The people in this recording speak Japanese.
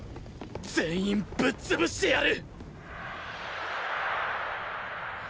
全員ぶっ潰してやる